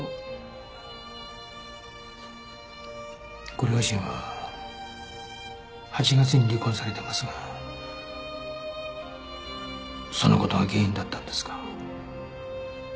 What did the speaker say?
ご両親は８月に離婚されていますがその事が原因だったんですか？